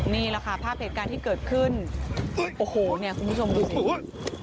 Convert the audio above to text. นี่แหละค่ะภาพเหตุการณ์ที่เกิดขึ้นโอ้โหเนี่ยคุณผู้ชมดูสิ